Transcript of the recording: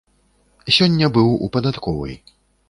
Сёння быў у падатковай.